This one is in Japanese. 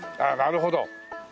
ああなるほど。